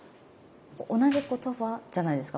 同じ言葉じゃないですか。